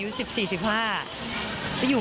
มันก็มีน้อยใจมากเหมือนกันนะ